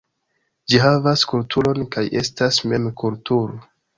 Ĝi havas kulturon kaj estas mem kulturo.